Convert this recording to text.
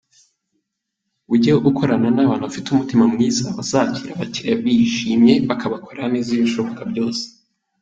Ujye ukorana n’abantu bafite umutima mwiza bazakira abakiriya bishimye bakabakorera neza ibishoboka byose.